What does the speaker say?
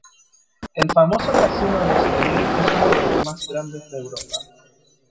El famoso Casino de Estoril es uno de los más grandes de Europa.